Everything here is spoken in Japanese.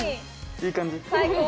いい感じ。